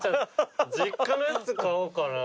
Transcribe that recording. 実家のやつ買おうかな。